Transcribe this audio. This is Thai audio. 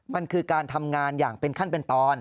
มันคือการทำงานอย่างเป็นขั้นเป็นตอน